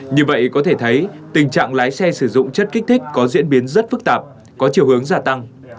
như vậy có thể thấy tình trạng lái xe sử dụng chất kích thích có diễn biến rất phức tạp có chiều hướng gia tăng